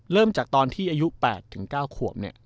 เริ่มจากตอนที่อายุ๘๙ขวบ